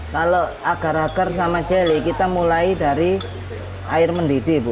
kalau agar agar sama jelly kita mulai dari air mendidih bu